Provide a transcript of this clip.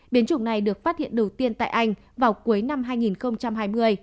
biến chủng này được phát hiện đầu tiên tại anh vào cuối năm hai nghìn hai mươi